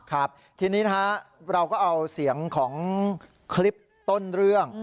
ครับทีนี้นะฮะเราก็เอาเสียงของคลิปต้นเรื่อง